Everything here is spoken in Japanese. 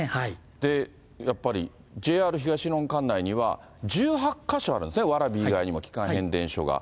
で、やっぱりＪＲ東日本管内には、１８か所あるんですね、蕨以外にも基幹変電所が。